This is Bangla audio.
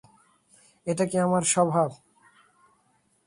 এই কি আমার স্বভাব?